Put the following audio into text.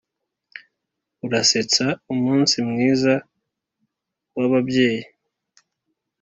urasetsa umunsi mwiza w'ababyeyi!